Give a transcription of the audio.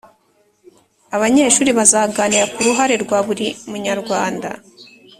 Abanyeshuri bazaganira ku ruhare rwa buri munyarwanda